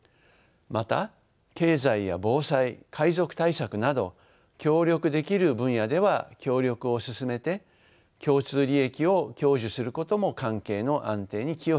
また経済や防災海賊対策など協力できる分野では協力を進めて共通利益を享受することも関係の安定に寄与します。